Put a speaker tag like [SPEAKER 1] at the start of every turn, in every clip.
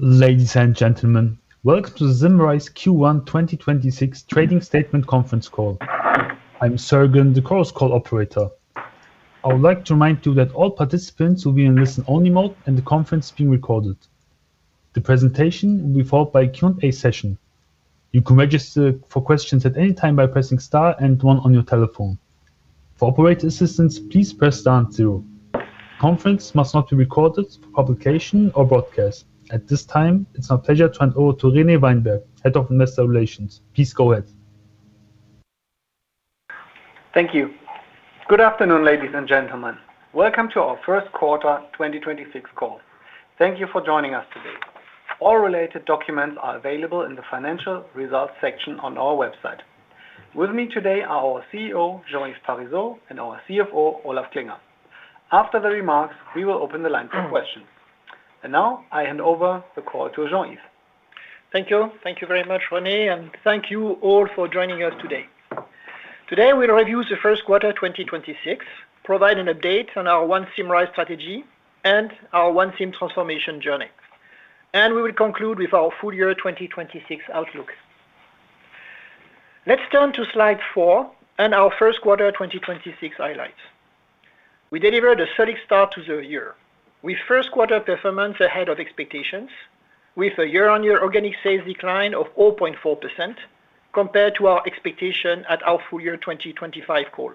[SPEAKER 1] Ladies and gentlemen, welcome to the Symrise Q1 2026 trading statement conference call. I'm Sergen, the Chorus Call operator. I would like to remind you that all participants will be in listen-only mode and the conference is being recorded. The presentation will be followed by a Q&A session. You can register for questions at any time by pressing star and one on your telephone. For operator assistance, please press star and zero. The conference must not be recorded for publication or broadcast. At this time, it's my pleasure to hand over to René Weinberg, Head of Investor Relations. Please go ahead.
[SPEAKER 2] Thank you. Good afternoon, ladies and gentlemen. Welcome to our first quarter 2026 call. Thank you for joining us today. All related documents are available in the financial results section on our website. With me today are our CEO, Jean-Yves Parisot, and our CFO, Olaf Klinger. After the remarks, we will open the line for questions. Now I hand over the call to Jean-Yves.
[SPEAKER 3] Thank you. Thank you very much, René, and thank you all for joining us today. Today, we'll review the first quarter 2026, provide an update on our ONE Symrise strategy and our ONE SYM Transformation journey. We will conclude with our full year 2026 outlook. Let's turn to slide 4 and our first quarter 2026 highlights. We delivered a solid start to the year with first quarter performance ahead of expectations with a year-on-year organic sales decline of 0.4% compared to our expectation at our full year 2025 call.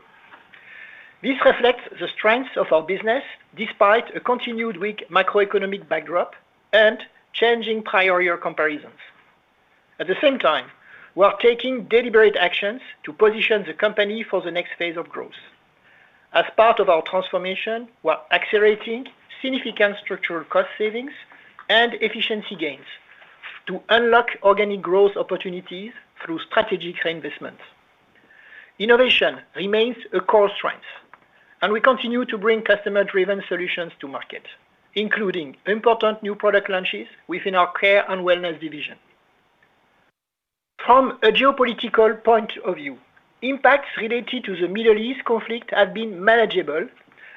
[SPEAKER 3] This reflects the strength of our business despite a continued weak macroeconomic backdrop and changing prior year comparisons. At the same time, we are taking deliberate actions to position the company for the next phase of growth. As part of our transformation, we're accelerating significant structural cost savings and efficiency gains to unlock organic growth opportunities through strategic reinvestments. Innovation remains a core strength, and we continue to bring customer-driven solutions to market, including important new product launches within our Care and Wellness Division. From a geopolitical point of view, impacts related to the Middle East conflict have been manageable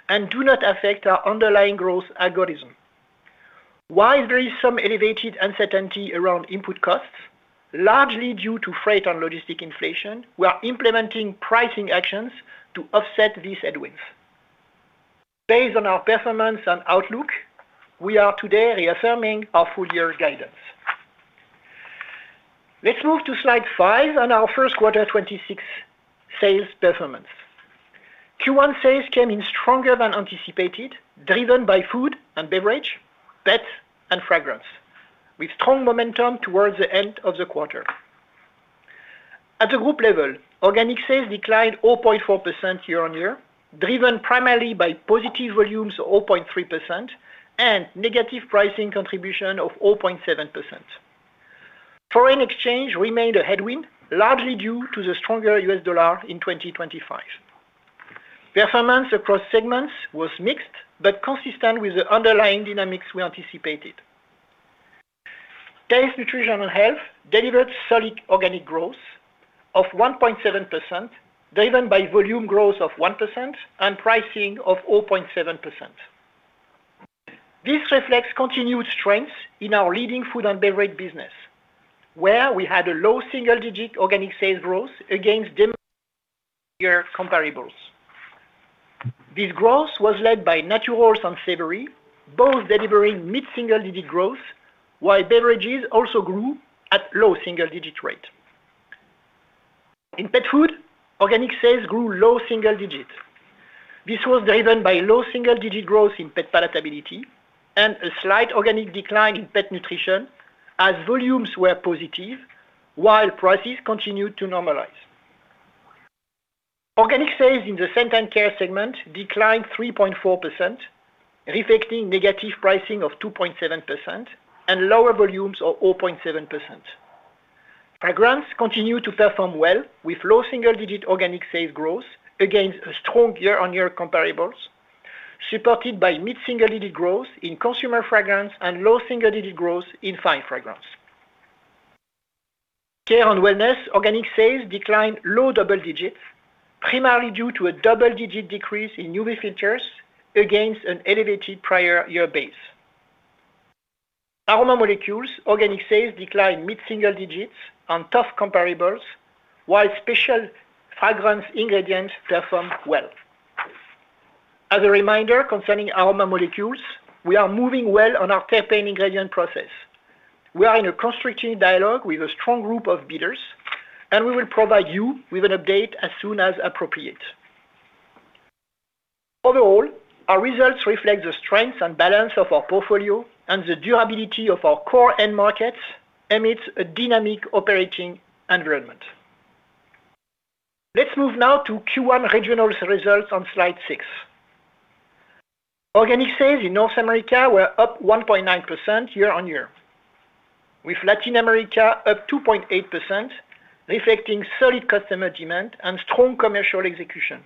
[SPEAKER 3] and do not affect our underlying growth algorithm. While there is some elevated uncertainty around input costs, largely due to freight and logistic inflation, we are implementing pricing actions to offset these headwinds. Based on our performance and outlook, we are today reaffirming our full year guidance. Let's move to slide 5 on our first quarter 2026 sales performance. Q1 sales came in stronger than anticipated, driven by Food & Beverage, pets, and fragrance, with strong momentum towards the end of the quarter. At the group level, organic sales declined 0.4% year-on-year, driven primarily by positive volumes of 0.3% and negative pricing contribution of 0.7%. Foreign exchange remained a headwind, largely due to the stronger US dollar in 2025. Performance across segments was mixed, but consistent with the underlying dynamics we anticipated. Taste, Nutrition & Health delivered solid organic growth of 1.7%, driven by volume growth of 1% and pricing of 0.7%. This reflects continued strength in our leading Food & Beverage business, where we had a low single-digit organic sales growth against comparables. This growth was led by Naturals and Savory, both delivering mid-single digit growth, while beverages also grew at low single-digit rate. In Pet Food, organic sales grew low single digits. This was driven by low single-digit growth in pet palatability and a slight organic decline in pet nutrition, as volumes were positive while prices continued to normalize. Organic sales in the Scent & Care segment declined 3.4%, reflecting negative pricing of 2.7% and lower volumes of 0.7%. Fragrance continued to perform well with low single-digit organic sales growth against a strong year-over-year comparables, supported by mid-single digit growth in consumer fragrance and low single-digit growth in fine fragrance. Care and Wellness organic sales declined low double digits, primarily due to a double-digit decrease in UV filters against an elevated prior year base. Aroma Molecules organic sales declined mid-single digits on tough comparables, while specialty fragrance ingredients performed well. As a reminder concerning Aroma Molecules, we are moving well on our campaign ingredient process. We are in a constructive dialogue with a strong group of bidders, and we will provide you with an update as soon as appropriate. Overall, our results reflect the strength and balance of our portfolio and the durability of our core end markets amidst a dynamic operating environment. Let's move now to Q1 regional results on slide 6. Organic sales in North America were up 1.9% year-on-year, with Latin America up 2.8%, reflecting solid customer demand and strong commercial execution.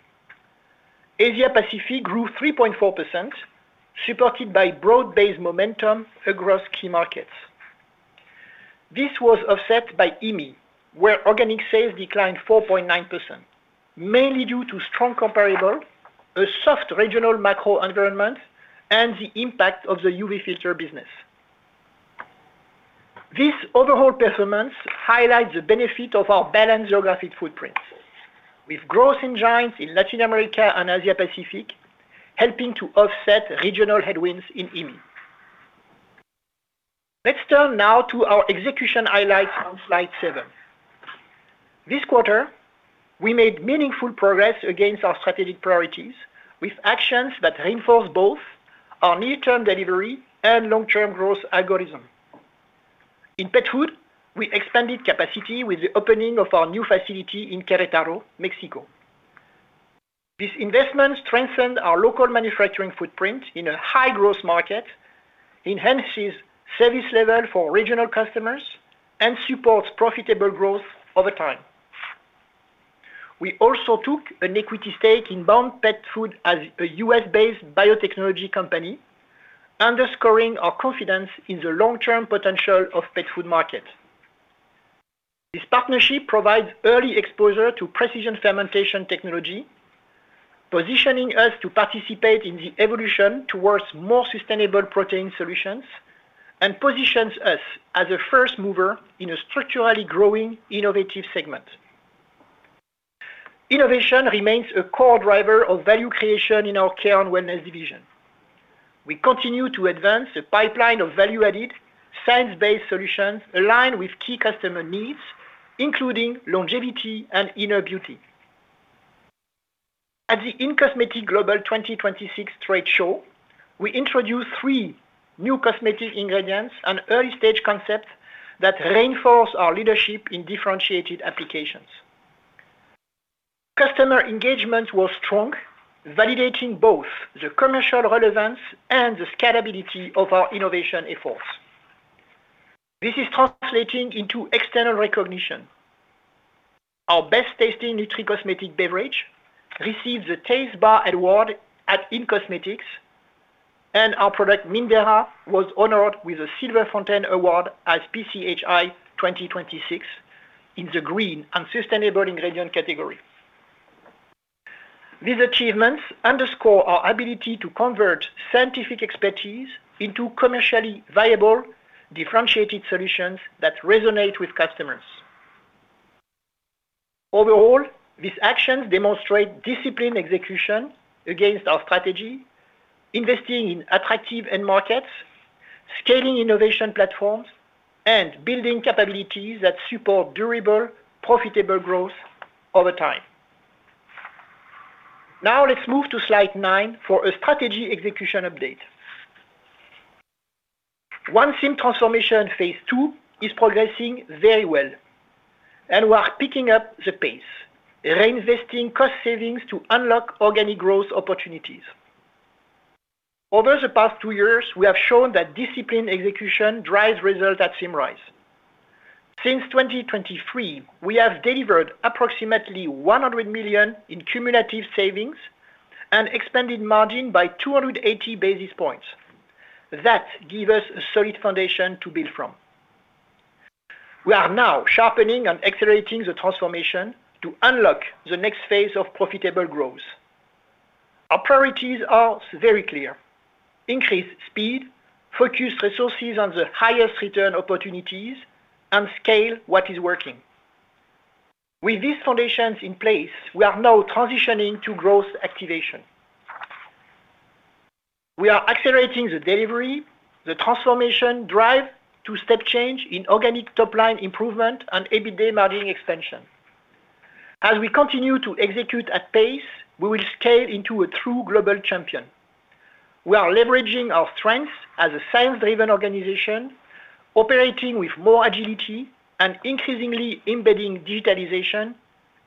[SPEAKER 3] Asia Pacific grew 3.4%, supported by broad-based momentum across key markets. This was offset by EMEA, where organic sales declined 4.9%, mainly due to strong comparable, a soft regional macro environment, and the impact of the UV filter business. This overall performance highlights the benefit of our balanced geographic footprints, with growth in Naturals in Latin America and Asia Pacific helping to offset regional headwinds in EMEA. Let's turn now to our execution highlights on slide 7. This quarter, we made meaningful progress against our strategic priorities with actions that reinforce both our near-term delivery and long-term growth algorithm. In Pet Food, we expanded capacity with the opening of our new facility in Querétaro, Mexico. This investment strengthened our local manufacturing footprint in a high-growth market, enhances service level for regional customers, and supports profitable growth over time. We also took an equity stake in Bond Pet Foods as a U.S.-based biotechnology company, underscoring our confidence in the long-term potential of Pet Food market. This partnership provides early exposure to precision fermentation technology, positioning us to participate in the evolution towards more sustainable protein solutions, and positions us as a first mover in a structurally growing innovative segment. Innovation remains a core driver of value creation in our Care & Wellness division. We continue to advance a pipeline of value-added, science-based solutions aligned with key customer needs, including longevity and inner beauty. At the in-cosmetics Global 2026 trade show, we introduced three new cosmetic ingredients and early-stage concepts that reinforce our leadership in differentiated applications. Customer engagement was strong, validating both the commercial relevance and the scalability of our innovation efforts. This is translating into external recognition. Our best tasting nutricosmetic beverage received the Taste Bar Award at in-cosmetics, and our product, Mindera, was honored with a Silver Fountain Award at PCHi 2026 in the green and sustainable ingredient category. These achievements underscore our ability to convert scientific expertise into commercially viable, differentiated solutions that resonate with customers. Overall, these actions demonstrate disciplined execution against our strategy, investing in attractive end markets, scaling innovation platforms, and building capabilities that support durable, profitable growth over time. Now let's move to slide nine for a strategy execution update. ONE SYM transformation phase II is progressing very well, and we are picking up the pace, reinvesting cost savings to unlock organic growth opportunities. Over the past two years, we have shown that disciplined execution drives results at Symrise. Since 2023, we have delivered approximately 100 million in cumulative savings and expanded margin by 280 basis points. That give us a solid foundation to build from. We are now sharpening and accelerating the transformation to unlock the next phase of profitable growth. Our priorities are very clear. Increase speed, focus resources on the highest return opportunities, and scale what is working. With these foundations in place, we are now transitioning to growth activation. We are accelerating the delivery, the transformation drive to step change in organic top line improvement and EBITDA margin expansion. As we continue to execute at pace, we will scale into a true global champion. We are leveraging our strengths as a science-driven organization, operating with more agility and increasingly embedding digitalization,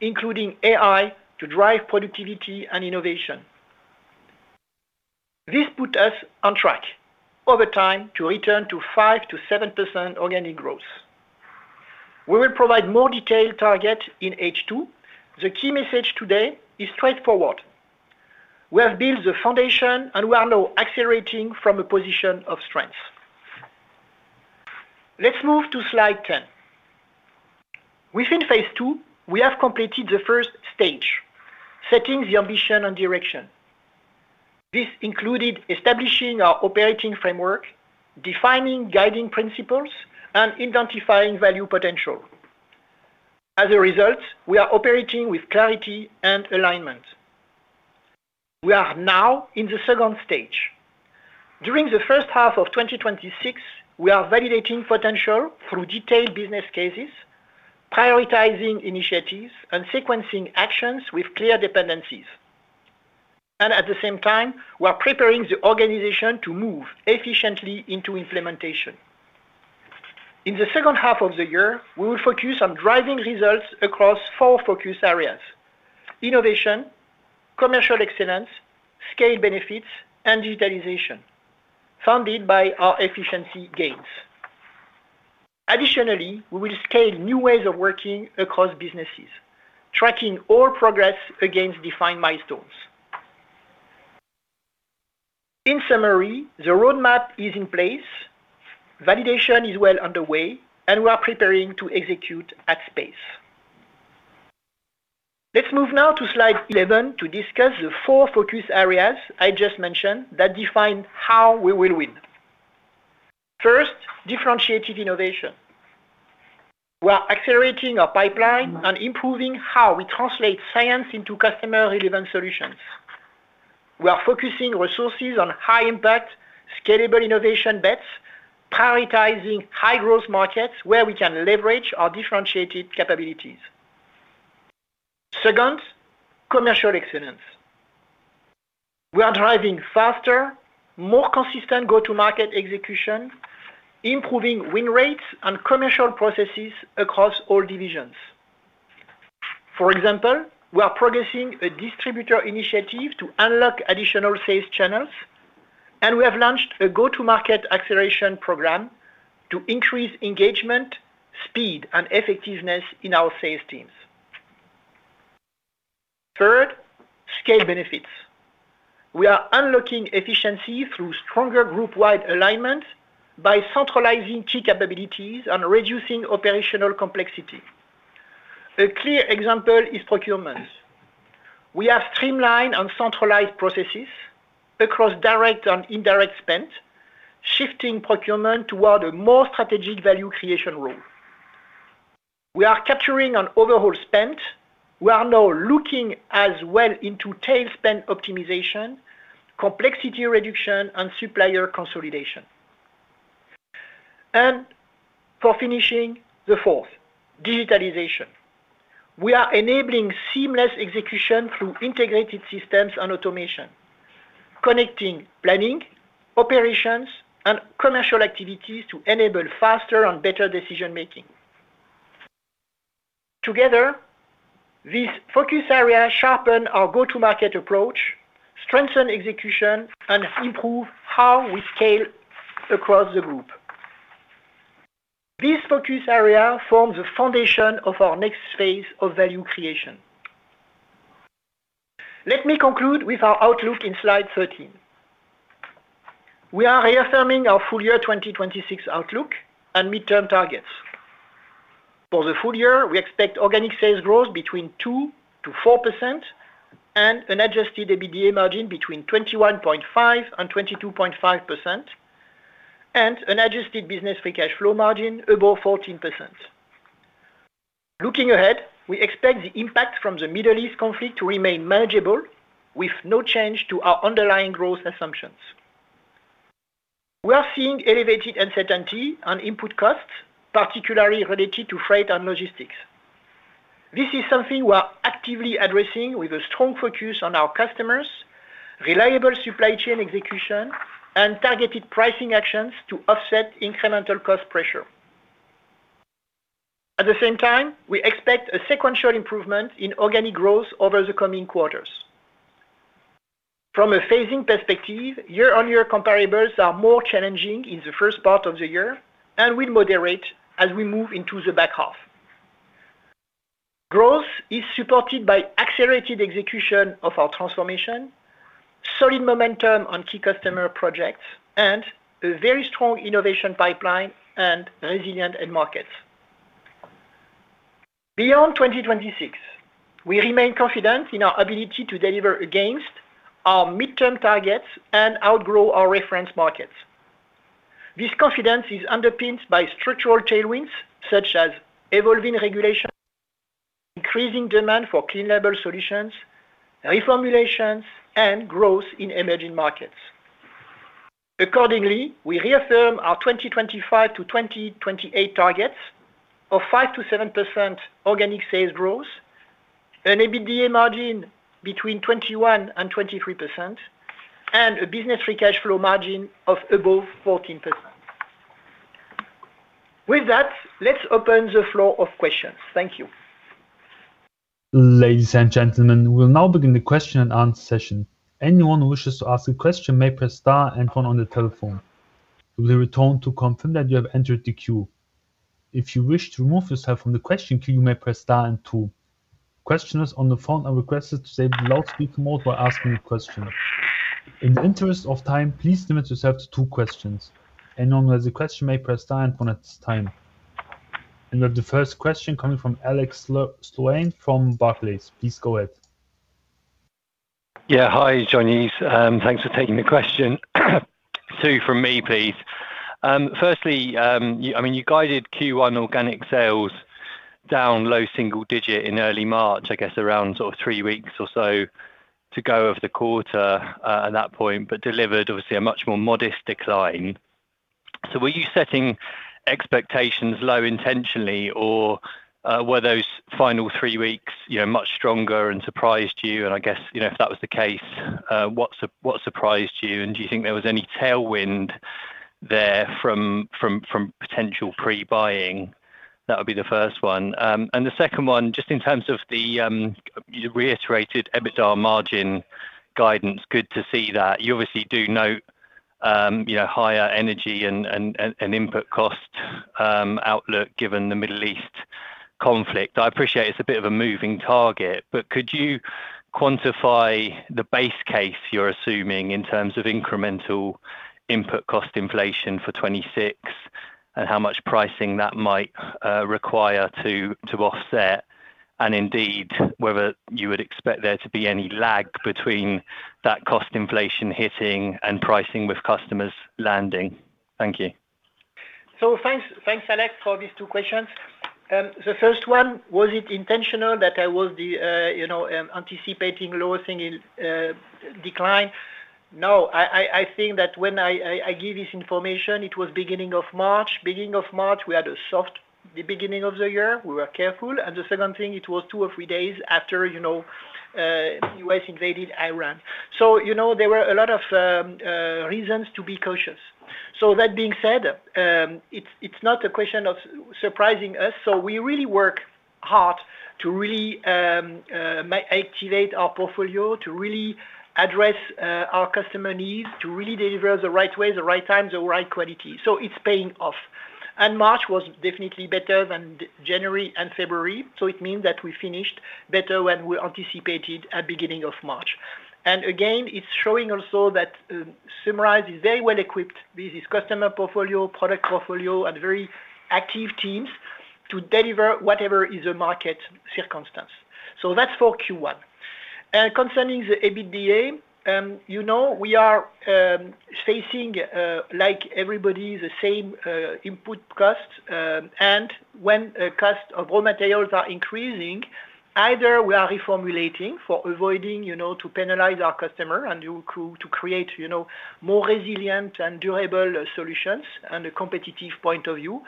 [SPEAKER 3] including AI, to drive productivity and innovation. This put us on track over time to return to 5%-7% organic growth. We will provide more detailed target in H2. The key message today is straightforward. We have built the foundation, we are now accelerating from a position of strength. Let's move to slide 10. Within phase II, we have completed the first stage, setting the ambition and direction. This included establishing our operating framework, defining guiding principles, and identifying value potential. As a result, we are operating with clarity and alignment. We are now in the second stage. During the first half of 2026, we are validating potential through detailed business cases, prioritizing initiatives, and sequencing actions with clear dependencies. At the same time, we are preparing the organization to move efficiently into implementation. In the second half of the year, we will focus on driving results across four focus areas: innovation, commercial excellence, scale benefits, and digitalization, funded by our efficiency gains. Additionally, we will scale new ways of working across businesses, tracking all progress against defined milestones. In summary, the roadmap is in place, validation is well underway, and we are preparing to execute at pace. Let's move now to slide 11 to discuss the four focus areas I just mentioned that define how we will win. First, differentiated innovation. We are accelerating our pipeline and improving how we translate science into customer-relevant solutions. We are focusing resources on high-impact, scalable innovation bets, prioritizing high-growth markets where we can leverage our differentiated capabilities. Second, commercial excellence. We are driving faster, more consistent go-to-market execution, improving win rates and commercial processes across all divisions. For example, we are progressing a distributor initiative to unlock additional sales channels, and we have launched a go-to-market acceleration program to increase engagement, speed, and effectiveness in our sales teams. Third, scale benefits. We are unlocking efficiency through stronger group-wide alignment by centralizing key capabilities and reducing operational complexity. A clear example is procurement. We have streamlined and centralized processes across direct and indirect spend, shifting procurement toward a more strategic value creation role. We are capturing on overall spend. We are now looking as well into tail spend optimization, complexity reduction, and supplier consolidation. For finishing, the fourth, digitalization. We are enabling seamless execution through integrated systems and automation, connecting planning, operations, and commercial activities to enable faster and better decision-making. Together, these focus areas sharpen our go-to-market approach, strengthen execution, and improve how we scale across the group. This focus area forms a foundation of our next phase of value creation. Let me conclude with our outlook in slide 13. We are reaffirming our full year 2026 outlook and midterm targets. For the full year, we expect organic sales growth between 2%-4% and an adjusted EBITDA margin between 21.5% and 22.5%, and an adjusted business free cash flow margin above 14%. Looking ahead, we expect the impact from the Middle East conflict to remain manageable with no change to our underlying growth assumptions. We are seeing elevated uncertainty on input costs, particularly related to freight and logistics. This is something we are actively addressing with a strong focus on our customers, reliable supply chain execution, and targeted pricing actions to offset incremental cost pressure. At the same time, we expect a sequential improvement in organic growth over the coming quarters. From a phasing perspective, year-over-year comparables are more challenging in the first part of the year and will moderate as we move into the back half. Growth is supported by accelerated execution of our transformation, solid momentum on key customer projects, and a very strong innovation pipeline and resilient end markets. Beyond 2026, we remain confident in our ability to deliver against our midterm targets and outgrow our reference markets. This confidence is underpinned by structural tailwinds such as evolving regulation, increasing demand for clean label solutions, reformulations, and growth in emerging markets. Accordingly, we reaffirm our 2025 to 2028 targets of 5%-7% organic sales growth, an EBITDA margin between 21% and 23%, and a business free cash flow margin of above 14%. With that, let's open the floor of questions. Thank you.
[SPEAKER 1] Ladies and gentlemen, we'll now begin the question-and-answer session. Anyone who wishes to ask a question may press star and one on the telephone. You'll hear a tone to confirm that you have entered the queue. If you wish to remove yourself from the question queue, you may press star and two. Questioners on the phone are requested to stay in loudspeaker mode while asking a question. In the interest of time, please limit yourself to two questions. Anyone who has a question may press star and one at this time. We have the first question coming from Alex Sloane from Barclays. Please go ahead.
[SPEAKER 4] Hi, Jean-Yves. Thanks for taking the question. Two from me, please. Firstly, I mean, you guided Q1 organic sales down low single digit in early March, I guess around sort of three weeks or so to go of the quarter, at that point, but delivered obviously a much more modest decline. Were you setting expectations low intentionally or were those final three weeks, you know, much stronger and surprised you? I guess, you know, if that was the case, what surprised you? Do you think there was any tailwind there from potential pre-buying? That would be the first one. The second one, just in terms of the, you reiterated EBITDA margin guidance, good to see that. You obviously do note, you know, higher energy and input cost outlook given the Middle East conflict. I appreciate it's a bit of a moving target, but could you quantify the base case you're assuming in terms of incremental input cost inflation for 2026 and how much pricing that might require to offset? Indeed, whether you would expect there to be any lag between that cost inflation hitting and pricing with customers landing. Thank you.
[SPEAKER 3] Thanks, Alex, for these two questions. The first one, was it intentional that I was the, you know, anticipating lowering decline? No, I think that when I give this information, it was beginning of March. Beginning of March, we had a soft beginning of the year. We were careful. The second thing, it was two or three days after, you know, U.S. invaded Iran. You know, there were a lot of reasons to be cautious. That being said, it's not a question of surprising us. We really work hard to activate our portfolio, to really address our customer needs, to really deliver the right way, the right time, the right quality. It's paying off. March was definitely better than January and February, so it means that we finished better than we anticipated at beginning of March. Again, it's showing also that Symrise is very well equipped with its customer portfolio, product portfolio and very active teams to deliver whatever is the market circumstance. That's for Q1. Concerning the EBITDA, you know, we are facing, like everybody, the same input costs. When costs of raw materials are increasing, either we are reformulating for avoiding, you know, to penalize our customer and to create, you know, more resilient and durable solutions and a competitive point of view.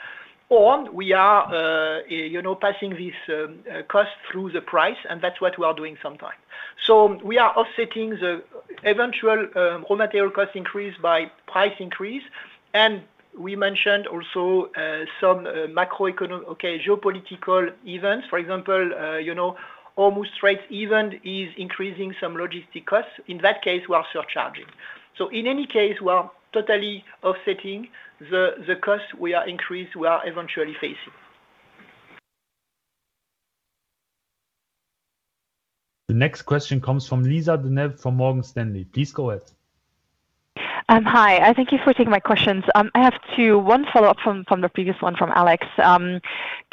[SPEAKER 3] We are, you know, passing this cost through the price, and that's what we are doing sometime. We are offsetting the eventual raw material cost increase by price increase. We mentioned also some geopolitical events. For example, you know, armed conflict event is increasing some logistic costs. In that case, we are surcharging. In any case, we are totally offsetting the cost we are eventually facing.
[SPEAKER 1] The next question comes from Lisa De Neve from Morgan Stanley. Please go ahead.
[SPEAKER 5] Hi. Thank you for taking my questions. I have two. One follow-up from the previous one from Alex. Can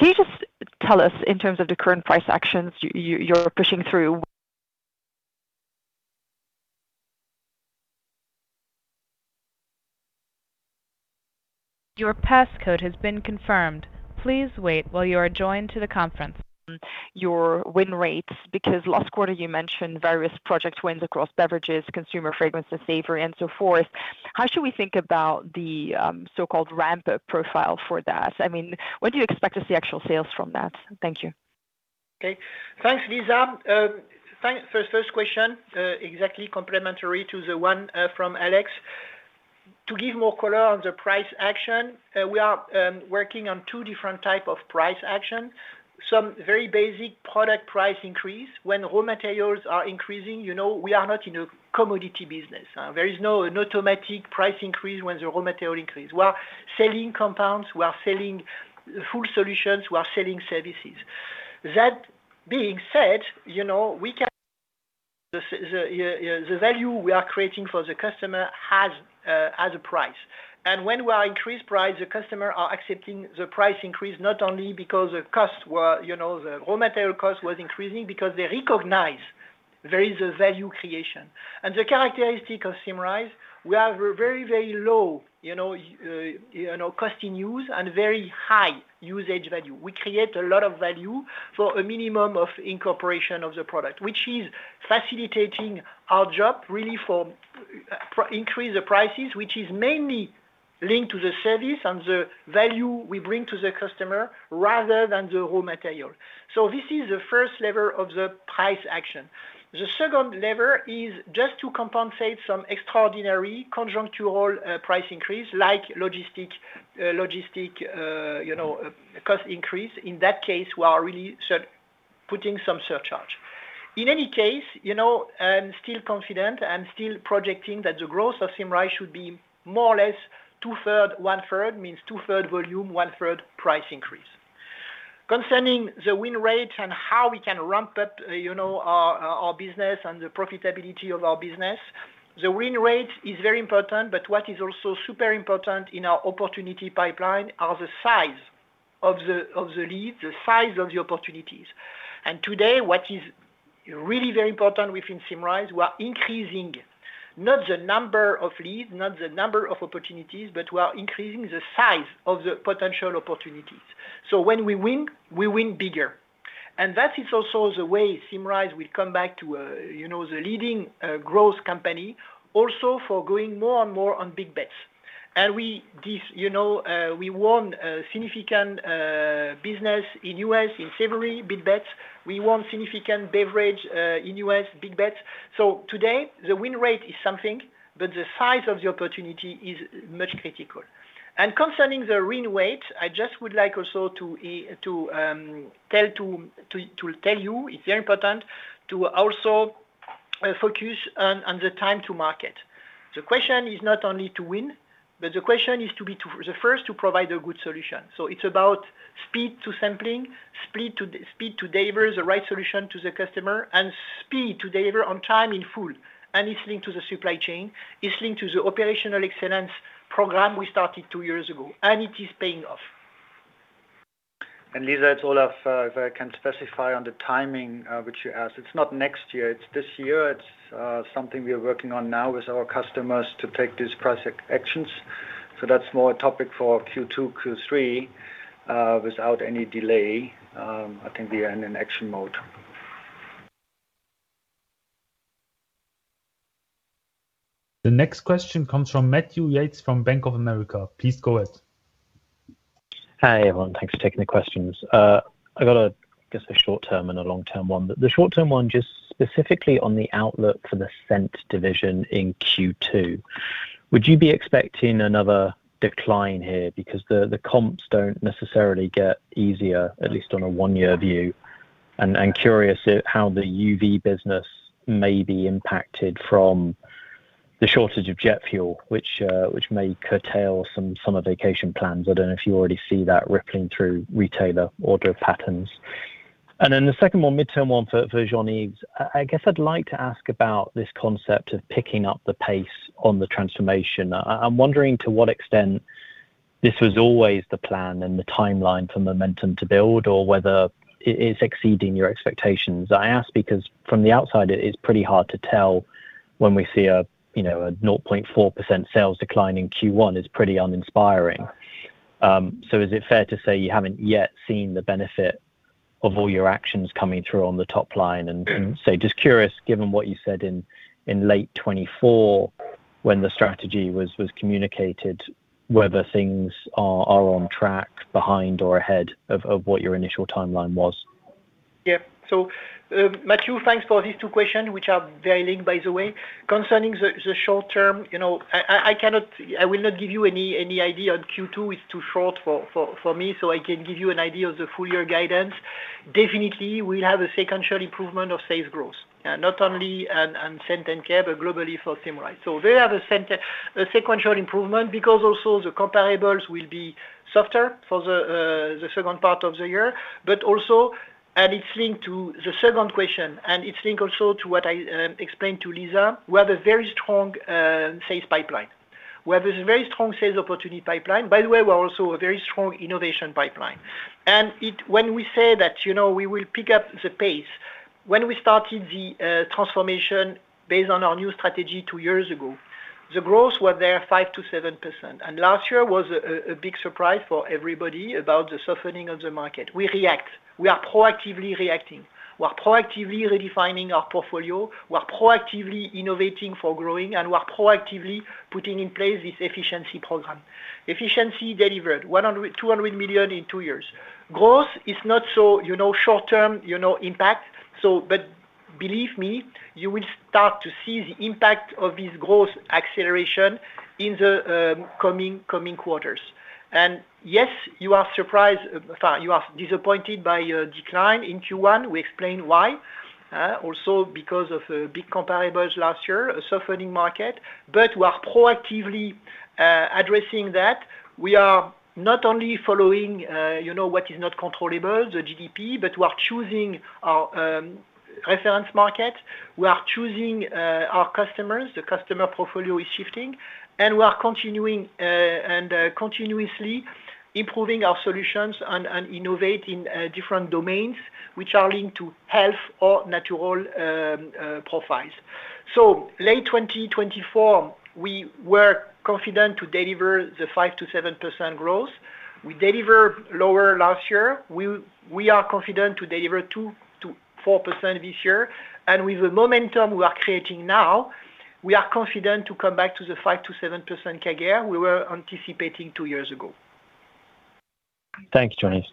[SPEAKER 5] you just tell us in terms of the current price actions you're pushing through, your win rates, because last quarter you mentioned various project wins across beverages, consumer fragrances, Savory, and so forth. How should we think about the so-called ramp-up profile for that? I mean, when do you expect to see actual sales from that? Thank you.
[SPEAKER 3] Okay. Thanks, Lisa. First question, exactly complementary to the one from Alex. To give more color on the price action, we are working on two different type of price action. Some very basic product price increase. When raw materials are increasing, you know, we are not in a commodity business. There is no an automatic price increase when the raw material increase. We are selling compounds, we are selling full solutions, we are selling services. That being said, you know, the value we are creating for the customer has a price. When we are increased price, the customer are accepting the price increase not only because the costs were, you know, the raw material cost was increasing, because they recognize there is a value creation. The characteristic of Symrise, we have very, very low, you know, cost in use and very high usage value. We create a lot of value for a minimum of incorporation of the product, which is facilitating our job really for increase the prices, which is mainly linked to the service and the value we bring to the customer rather than the raw material. This is the first lever of the price action. The second lever is just to compensate some extraordinary conjuncture, price increase, like logistic, you know, cost increase. In that case, we are really putting some surcharge. In any case, you know, I'm still confident and still projecting that the growth of Symrise should be more or less two-thirds, one-third, means two-thirds volume, one-third price increase. Concerning the win rate and how we can ramp up, you know, our business and the profitability of our business, the win rate is very important. What is also super important in our opportunity pipeline are the size of the lead, the size of the opportunities. Today, what is really very important within Symrise, we are increasing not the number of leads, not the number of opportunities. We are increasing the size of the potential opportunities. When we win, we win bigger. That is also the way Symrise will come back to, you know, the leading growth company also for going more and more on big bets. You know, we won a significant business in U.S. in Savory, big bets. We won significant beverage in U.S., big bets. Today the win rate is something, but the size of the opportunity is much critical. Concerning the win rate, I just would like also to tell you, it's very important to also focus on the time to market. The question is not only to win, but the question is to be the first to provide a good solution. It's about speed to sampling, speed to deliver the right solution to the customer, and speed to deliver on time in full. It's linked to the supply chain, it's linked to the operational excellence program we started two years ago, and it is paying off.
[SPEAKER 6] Lisa, it's Olaf. If I can specify on the timing, which you asked. It's not next year, it's this year. It's something we are working on now with our customers to take these price actions. That's more a topic for Q2, Q3, without any delay. I think we are in an action mode.
[SPEAKER 1] The next question comes from Matthew Yates from Bank of America. Please go ahead.
[SPEAKER 7] Hi, everyone. Thanks for taking the questions. I've got a, guess a short-term and a long-term one. The short-term one, just specifically on the outlook for the Scent division in Q2. Would you be expecting another decline here? The comps don't necessarily get easier, at least on a one-year view. Curious at how the UV business may be impacted from the shortage of jet fuel, which may curtail some summer vacation plans. I don't know if you already see that rippling through retailer order patterns. The second, more midterm one for Jean-Yves. I guess I'd like to ask about this concept of picking up the pace on the transformation. I'm wondering to what extent this was always the plan and the timeline for momentum to build, or whether it's exceeding your expectations. I ask because from the outside it is pretty hard to tell when we see a, you know, a 0.4% sales decline in Q1 is pretty uninspiring. Is it fair to say you haven't yet seen the benefit of all your actions coming through on the top line? Just curious, given what you said in late 2024 when the strategy was communicated, whether things are on track, behind, or ahead of what your initial timeline was?
[SPEAKER 3] Yeah. Matthew, thanks for these two questions, which are very linked, by the way. Concerning the short term, I will not give you any idea on Q2. It's too short for me, so I can give you an idea of the full year guidance. Definitely we'll have a sequential improvement of sales growth. Not only on Scent & Care, but globally for Symrise. There are the scent sequential improvement because also the comparables will be softer for the second part of the year. Also, it's linked to the second question, and it's linked also to what I explained to Lisa. We have a very strong sales pipeline. We have a very strong sales opportunity pipeline. By the way, we're also a very strong innovation pipeline. When we say that, you know, we will pick up the pace, when we started the transformation based on our new strategy two years ago, the growth was there 5%-7%. Last year was a big surprise for everybody about the softening of the market. We react. We are proactively reacting. We are proactively redefining our portfolio. We are proactively innovating for growing, and we are proactively putting in place this efficiency program. Efficiency delivered 200 million in two years. Growth is not so, you know, short term, you know, impact. Believe me, you will start to see the impact of this growth acceleration in the coming quarters. Yes, you are disappointed by a decline in Q1. We explained why. Also because of big comparables last year, a softening market. We are proactively addressing that. We are not only following, you know, what is not controllable, the GDP, but we are choosing our reference market. We are choosing our customers, the customer portfolio is shifting. We are continuing and continuously improving our solutions and innovate in different domains which are linked to health or natural profiles. Late 2024, we were confident to deliver the 5%-7% growth. We delivered lower last year. We are confident to deliver 2%-4% this year. With the momentum we are creating now, we are confident to come back to the 5%-7% CAGR we were anticipating two years ago.
[SPEAKER 7] Thanks, Jean-Yves.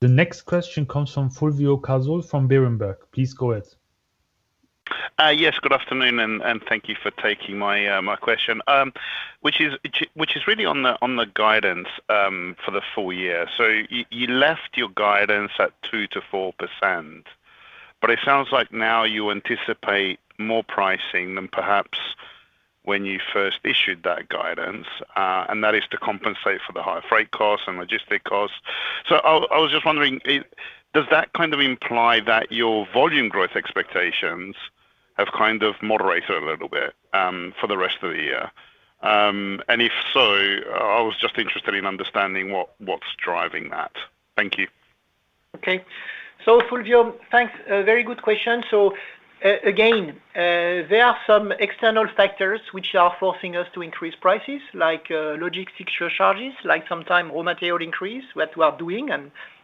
[SPEAKER 1] The next question comes from Fulvio Cazzol from Berenberg. Please go ahead.
[SPEAKER 8] Yes, good afternoon and thank you for taking my question. Which is really on the guidance for the full year. You left your guidance at 2%-4%, but it sounds like now you anticipate more pricing than perhaps when you first issued that guidance. That is to compensate for the higher freight costs and logistic costs. I was just wondering, does that kind of imply that your volume growth expectations have kind of moderated a little bit for the rest of the year? If so, I was just interested in understanding what's driving that. Thank you.
[SPEAKER 3] Okay. Fulvio, thanks. A very good question. Again, there are some external factors which are forcing us to increase prices, like logistic surcharges, like sometime raw material increase, what we are doing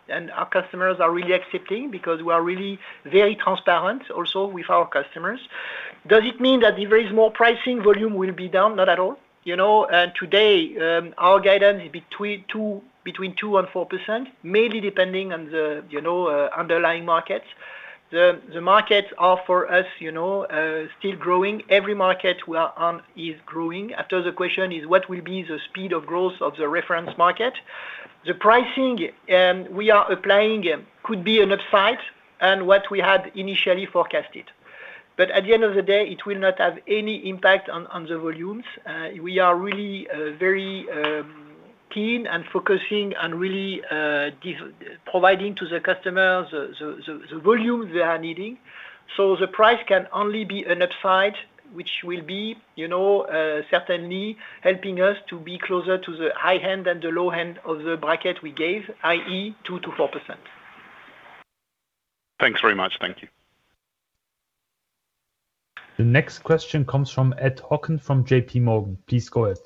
[SPEAKER 3] and our customers are really accepting because we are really very transparent also with our customers. Does it mean that if there is more pricing, volume will be down? Not at all. You know, today, our guidance is between 2% and 4%, mainly depending on the, you know, underlying markets. The markets are for us, you know, still growing. Every market we are on is growing. After the question is what will be the speed of growth of the reference market? The pricing and we are applying could be an upside and what we had initially forecasted. At the end of the day, it will not have any impact on the volumes. We are really very keen and focusing and really providing to the customers the volume they are needing. The price can only be an upside, which will be, you know, certainly helping us to be closer to the high end than the low end of the bracket we gave, i.e., 2%-4%.
[SPEAKER 8] Thanks very much. Thank you.
[SPEAKER 1] The next question comes from Edward Hockin from J.P. Morgan. Please go ahead.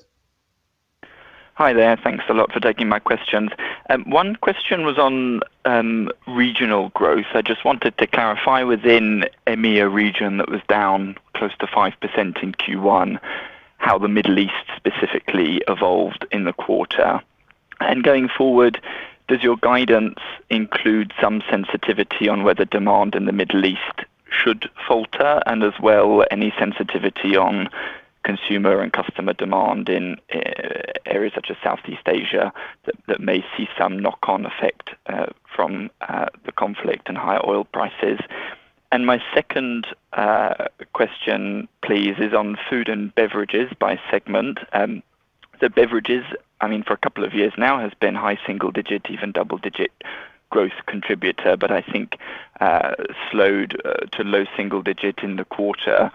[SPEAKER 9] Hi there. Thanks a lot for taking my questions. One question was on regional growth. I just wanted to clarify within EMEA region that was down close to 5% in Q1, how the Middle East specifically evolved in the quarter. Going forward, does your guidance include some sensitivity on whether demand in the Middle East should falter and as well any sensitivity on consumer and customer demand in areas such as Southeast Asia that may see some knock-on effect from the conflict and higher oil prices? My second question, please, is on Food & Beverages by segment. The beverages, I mean, for a couple of years now, has been high single-digit, even double-digit growth contributor, but I think slowed to low single-digit in the quarter.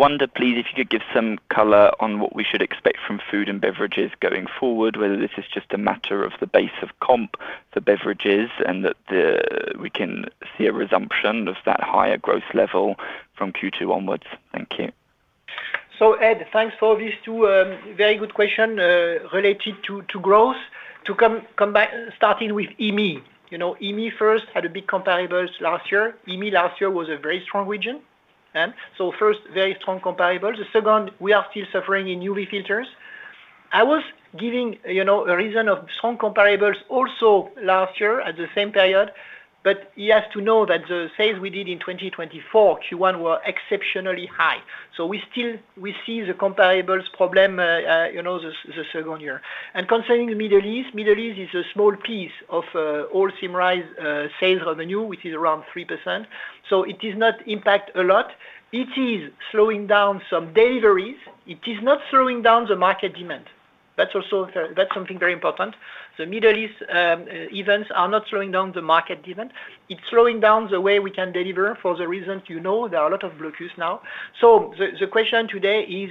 [SPEAKER 9] Wonder please if you could give some color on what we should expect from Food & Beverages going forward, whether this is just a matter of the base of comp for beverages and that we can see a resumption of that higher growth level from Q2 onwards. Thank you.
[SPEAKER 3] Edward, thanks for these two very good question related to growth. To come back, starting with EMEA. You know, EMEA first had a big comparables last year. EMEA last year was a very strong region. First, very strong comparables. Second, we are still suffering in UV filters. I was giving, you know, a reason of strong comparables also last year at the same period. You have to know that the sales we did in 2024 Q1 were exceptionally high. We see the comparables problem, you know, the second year. Concerning the Middle East, Middle East is a small piece of all Symrise sales revenue, which is around 3%. It is not impact a lot. It is slowing down some deliveries. It is not slowing down the market demand. That's something very important. The Middle East events are not slowing down the market demand. It's slowing down the way we can deliver for the reasons you know, there are a lot of breakthroughs now. The question today is,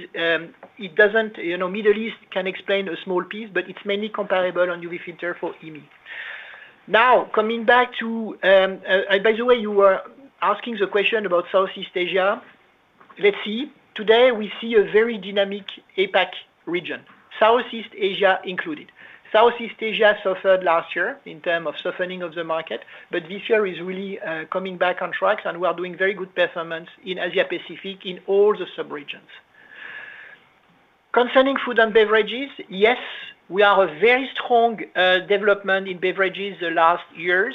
[SPEAKER 3] it doesn't, you know, Middle East can explain a small piece, but it's mainly comparable on UV filter for EMEA. Coming back to, by the way, you were asking the question about Southeast Asia. Let's see. Today, we see a very dynamic APAC region, Southeast Asia included. Southeast Asia suffered last year in term of softening of the market, but this year is really coming back on track, and we are doing very good performance in Asia-Pacific in all the subregions. Concerning Food & Beverages, yes, we have a very strong development in beverages the last years,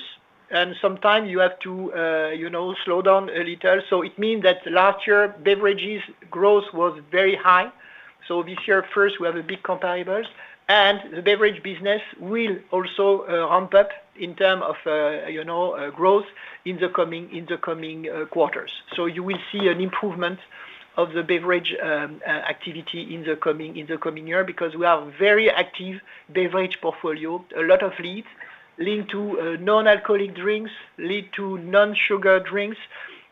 [SPEAKER 3] and sometimes you have to, you know, slow down a little. It means that last year, beverages growth was very high. This year, first, we have a big comparables, and the beverage business will also ramp up in term of, you know, growth in the coming quarters. You will see an improvement of the beverage activity in the coming year because we have very active beverage portfolio, a lot of leads linked to non-alcoholic drinks, linked to non-sugar drinks,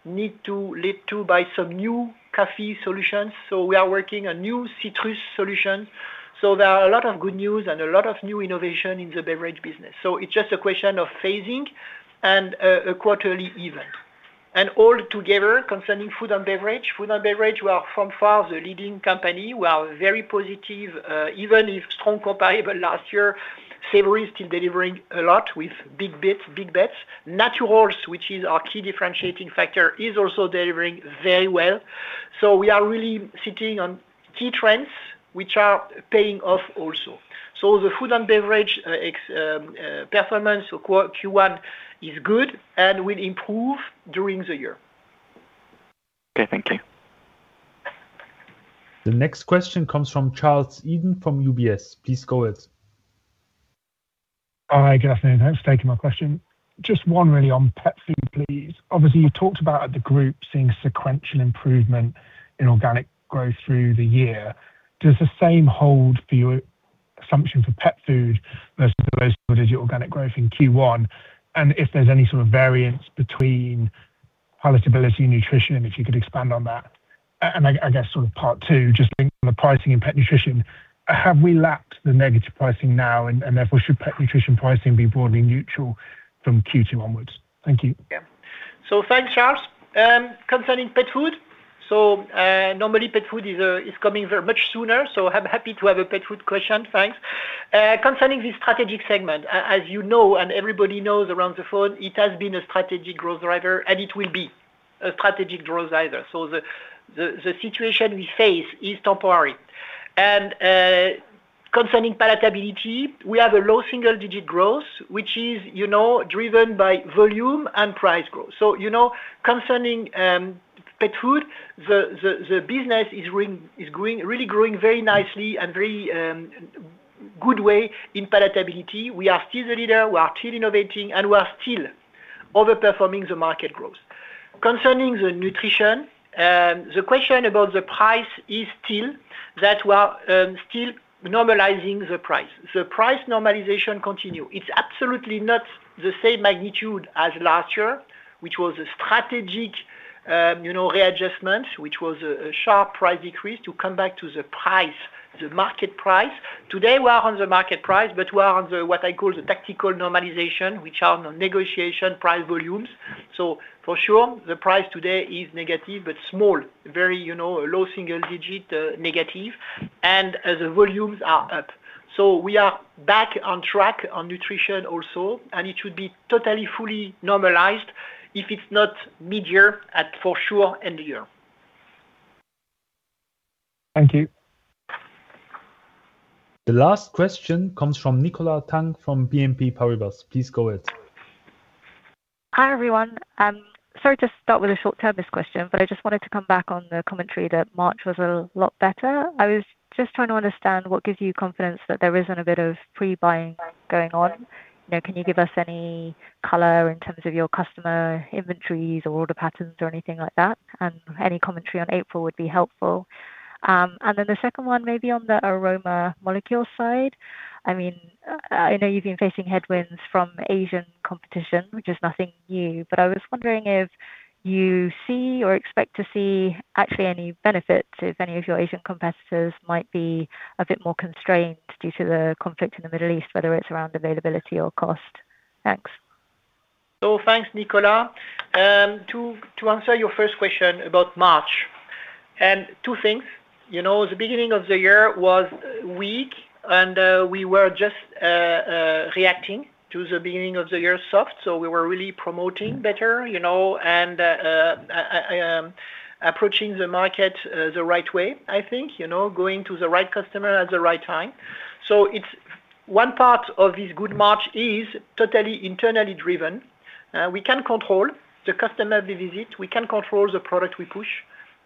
[SPEAKER 3] linked to by some new coffee solutions. We are working a new citrus solution. There are a lot of good news and a lot of new innovation in the beverage business. It's just a question of phasing and a quarterly event. All together, concerning Food & Beverage, we are from far the leading company. We are very positive, even if strong comparable last year, Savory is still delivering a lot with big bets. Naturals, which is our key differentiating factor, is also delivering very well. We are really sitting on key trends, which are paying off also. The Food & Beverage performance Q1 is good and will improve during the year.
[SPEAKER 9] Okay. Thank you.
[SPEAKER 1] The next question comes from Charles Eden from UBS. Please go ahead.
[SPEAKER 10] Hi. Good afternoon. Thanks for taking my question. Just 1 really on Pet Food, please. Obviously, you talked about the group seeing sequential improvement in organic growth through the year. Does the same hold for your assumption for Pet Food versus the low single-digit organic growth in Q1? If there's any sort of variance between palatability and nutrition, and if you could expand on that. I guess sort of part two, just thinking on the pricing in pet nutrition, have we lapped the negative pricing now, and therefore should pet nutrition pricing be broadly neutral from Q2 onwards? Thank you.
[SPEAKER 3] Yeah. Thanks, Charles. Concerning Pet Food, normally Pet Food is coming very much sooner, I'm happy to have a Pet Food question. Thanks. Concerning this strategic segment, as you know and everybody knows around the phone, it has been a strategic growth driver, and it will be a strategic growth driver. The situation we face is temporary. Concerning palatability, we have a low single-digit growth, which is, you know, driven by volume and price growth. You know, concerning Pet Food, the business is growing, really growing very nicely and very good way in palatability. We are still the leader, we are still innovating, and we are still over-performing the market growth. Concerning the nutrition, the question about the price is still that we are still normalizing the price. The price normalization continues. It's absolutely not the same magnitude as last year, which was a strategic, you know, readjustment, which was a sharp price decrease to come back to the price, the market price. Today, we are on the market price. We are on the, what I call the tactical normalization, which are negotiation price volumes. For sure, the price today is negative, but small. Very, you know, low single-digit negative, and the volumes are up. We are back on track on nutrition also, and it should be totally fully normalized if it's not mid-year at, for sure, end of year.
[SPEAKER 10] Thank you.
[SPEAKER 1] The last question comes from Nicola Tang from BNP Paribas. Please go ahead.
[SPEAKER 11] Hi, everyone. Sorry to start with a short-term question, but I just wanted to come back on the commentary that March was a lot better. I was just trying to understand what gives you confidence that there isn't a bit of pre-buying going on. You know, can you give us any color in terms of your customer inventories or order patterns or anything like that? Any commentary on April would be helpful. The second one may be on the Aroma Molecules side. I mean, I know you've been facing headwinds from Asian competition, which is nothing new. I was wondering if you see or expect to see actually any benefit if any of your Asian competitors might be a bit more constrained due to the conflict in the Middle East, whether it's around availability or cost. Thanks.
[SPEAKER 3] Thanks, Nicola. To answer your first question about March. Two things. You know, the beginning of the year was weak, and we were just reacting to the beginning of the year soft. We were really promoting better, you know, approaching the market the right way, I think, you know, going to the right customer at the right time. One part of this good March is totally internally driven. We can control the customer visit, we can control the product we push,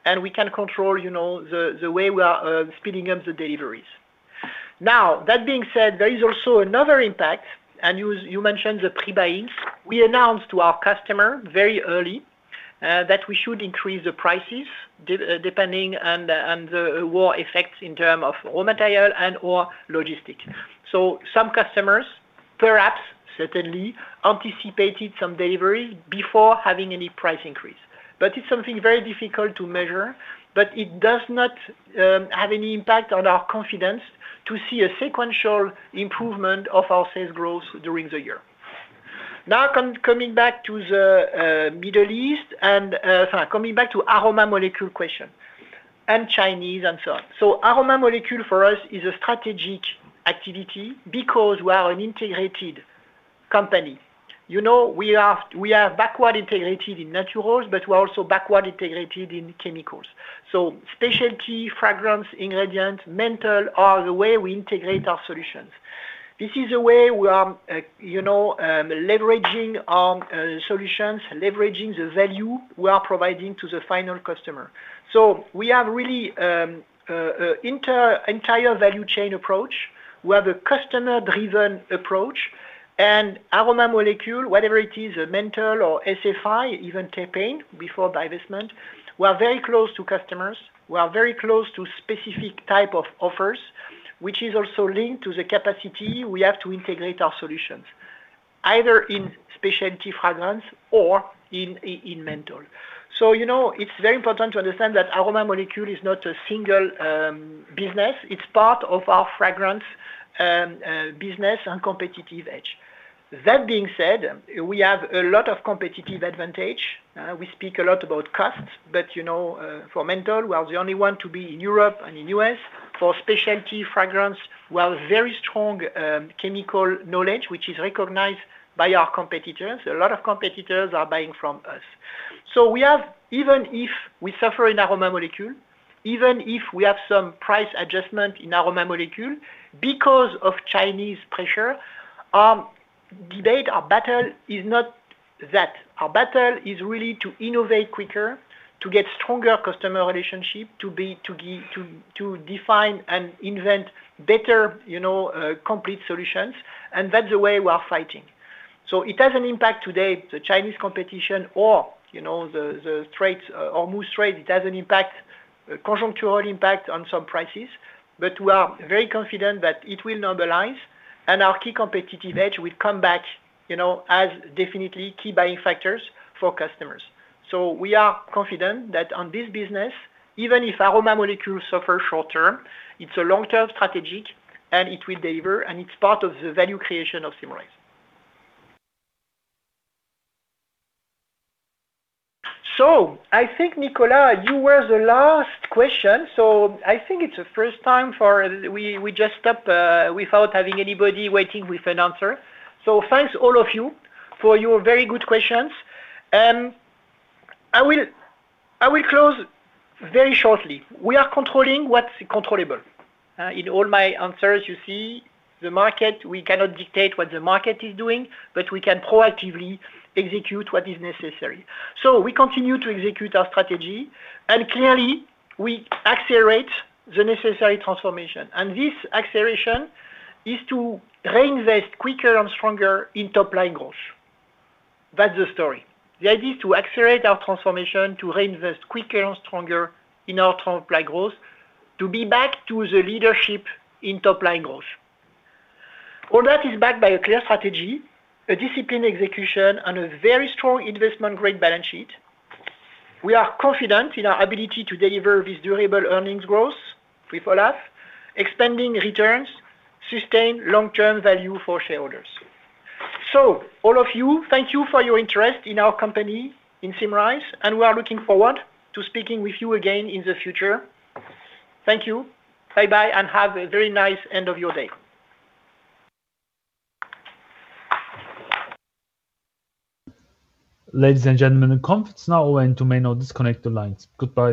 [SPEAKER 3] and we can control, you know, the way we are speeding up the deliveries. Now, that being said, there is also another impact. You mentioned the pre-buying. We announced to our customer very early that we should increase the prices depending on the, on the war effects in terms of raw material and/or logistics. Some customers, perhaps certainly, anticipated some delivery before having any price increase. It's something very difficult to measure, but it does not have any impact on our confidence to see a sequential improvement of our sales growth during the year. Now coming back to the Middle East and. Sorry, coming back to Aroma Molecules question and Chinese and so on. Aroma Molecules for us is a strategic activity because we are an integrated company. You know, we are backward integrated in Naturals, but we're also backward integrated in chemicals. Specialty fragrance ingredients, Menthol are the way we integrate our solutions. This is a way we are, you know, leveraging our solutions, leveraging the value we are providing to the final customer. We have really an entire value chain approach. We have a customer-driven approach, Aroma Molecules, whether it is a Menthol or SFI, even Terpene before divestment, we are very close to customers. We are very close to specific type of offers, which is also linked to the capacity we have to integrate our solutions, either in specialty fragrance or in Menthol. You know, it's very important to understand that Aroma Molecules is not a single business, it's part of our fragrance business and competitive edge. That being said, we have a lot of competitive advantage. We speak a lot about costs, but, you know, for Menthol, we are the only one to be in Europe and in the U.S. For specialty fragrance, we have very strong chemical knowledge, which is recognized by our competitors. A lot of competitors are buying from us. Even if we suffer in Aroma Molecule, even if we have some price adjustment in Aroma Molecule because of Chinese pressure, debate or battle is not that. Our battle is really to innovate quicker, to get stronger customer relationship, to define and invent better, you know, complete solutions. That's the way we are fighting. It has an impact today, the Chinese competition or, you know, the trades or most trade, it has an impact, a consequential impact on some prices. We are very confident that it will normalize, and our key competitive edge will come back, you know, as definitely key buying factors for customers. We are confident that on this business, even if Aroma Molecules suffer short term, it's a long-term strategic, and it will deliver, and it's part of the value creation of Symrise. I think, Nicola, you were the last question. I think it's the first time. We just stop without having anybody waiting with an answer. Thanks all of you for your very good questions. I will close very shortly. We are controlling what's controllable. In all my answers, you see the market, we cannot dictate what the market is doing, but we can proactively execute what is necessary. We continue to execute our strategy, and clearly, we accelerate the necessary transformation. This acceleration is to reinvest quicker and stronger in top-line growth. That's the story. The idea is to accelerate our transformation, to reinvest quicker and stronger in our top-line growth, to be back to the leadership in top-line growth. All that is backed by a clear strategy, a disciplined execution, and a very strong investment-grade balance sheet. We are confident in our ability to deliver this durable earnings growth, free FCF, expanding returns, sustained long-term value for shareholders. All of you, thank you for your interest in our company, in Symrise, and we are looking forward to speaking with you again in the future. Thank you. Bye-bye, and have a very nice end of your day.
[SPEAKER 1] Ladies and gentlemen, the conference now went to main or disconnect the lines. Goodbye.